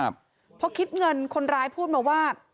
เพราะคิดเงินคนร้ายพูดมาว่า